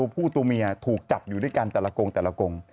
ผู้ตัวเมียถูกจับอยู่ด้วยกันแต่ละกงแต่ละกง